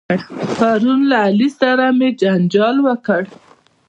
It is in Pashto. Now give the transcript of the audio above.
پرون له علي سره هم جنجال وکړ.